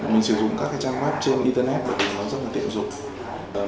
mình sử dụng các trang web trên internet và nó rất là tiện dụng